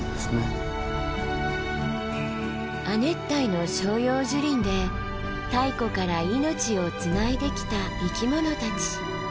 亜熱帯の照葉樹林で太古から命をつないできた生き物たち。